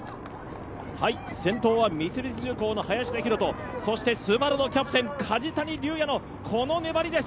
先頭は三菱重工の林田洋翔、ＳＵＢＡＲＵのキャプテン・梶谷瑠哉のこの粘りです。